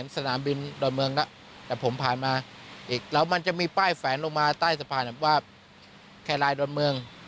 แคลไลน์โดนเมือง